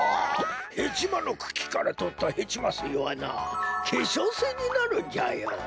ヘチマのくきからとったヘチマすいはなけしょうすいになるんじゃよ。